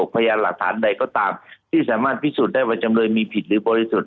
พยานหลักฐานใดก็ตามที่สามารถพิสูจน์ได้ว่าจำเลยมีผิดหรือบริสุทธิ์